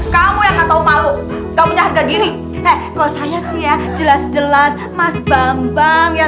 kamu yang gak tau malu kamu punya harga diri kalau saya sih ya jelas jelas mas bambang yang